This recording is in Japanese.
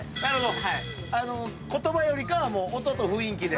言葉よりかは音と雰囲気で？